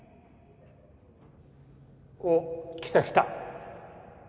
おっ来た来た。